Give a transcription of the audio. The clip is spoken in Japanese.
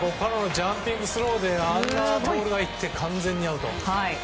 ジャンピングスローであんなボールで完全にアウト。